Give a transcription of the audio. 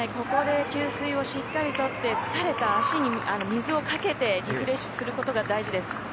ここで給水をしっかり取って疲れた足に水をかけてリフレッシュすることが大事です。